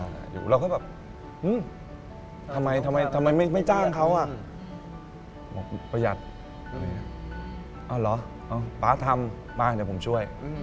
แล้วเราก็แบบหึทำไมไม่จ้างเขาบอกประหยัดอ๋อเหรอป๊าทำมาเดี๋ยวผมช่วย